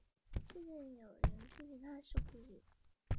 仰叶拟细湿藓为柳叶藓科拟细湿藓下的一个种。